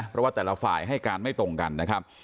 เพราะว่าแต่ละฝ่ายให้การไม่ตรงกันนะครับ